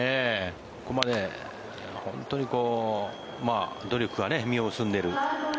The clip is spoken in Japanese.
ここまで本当に努力が実を結んでいる。